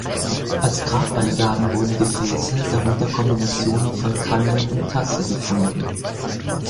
Als Grabbeigaben wurden Gefäße, darunter Kombinationen von Kanne und Tasse gefunden.